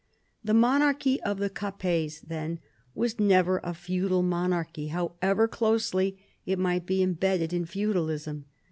The monarchy of the Capets then was never a feudal monarchy, however closely it might be embedded in feudalism.